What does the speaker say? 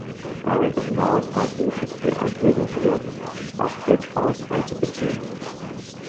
Darüber hinaus halte ich es für erwägenswert, Dach-Hedgefonds einzubeziehen.